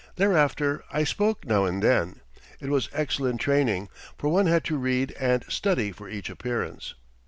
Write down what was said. Thereafter I spoke now and then. It was excellent training, for one had to read and study for each appearance.